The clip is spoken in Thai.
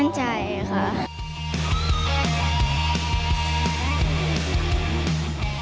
มันมั่นใจไหมว่ามีพระมุมการลุยดีมั่นใจค่ะ